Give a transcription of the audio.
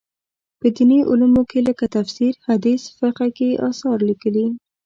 په دیني علومو لکه تفسیر، حدیث، فقه کې یې اثار لیکلي.